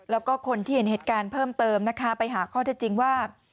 แล้วก็คนที่เห็นเหตุการณ์เพิ่มเติมนะคะไปหาข้อเท็จจริงว่า